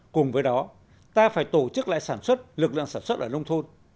cùng với đó ta phải tổ chức lại sản xuất lực lượng sản xuất ở nông thôn